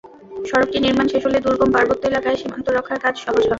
সড়কটি নির্মাণ শেষ হলে দুর্গম পার্বত্য এলাকায় সীমান্ত রক্ষার কাজ সহজ হবে।